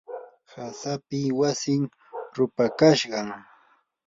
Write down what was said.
hashipa wasin rupakashqam.